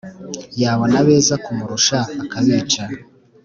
Yabona abeza kumurusha, akabicisha